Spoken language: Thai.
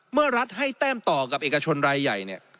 เมื่อรัฐให้แต้มต่อกับเอกชนรายใหญ่เนี่ย